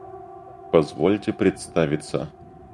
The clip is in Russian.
Позвольте представиться!